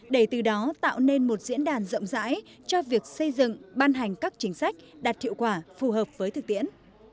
để từ đó tạo nên một diễn đàn rộng rãi cho việc xây dựng ban hành các chính sách đạt hiệu quả phù hợp với thực tiễn